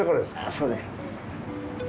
そうです。